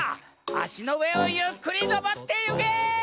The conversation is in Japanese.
あしのうえをゆっくりのぼってゆけ！